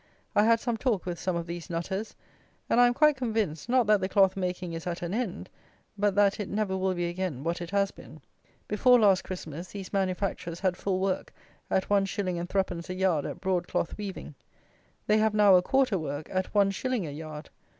I had some talk with some of these nutters, and I am quite convinced, not that the cloth making is at an end; but that it never will be again what it has been. Before last Christmas these manufacturers had full work, at one shilling and threepence a yard at broad cloth weaving. They have now a quarter work, at one shilling a yard!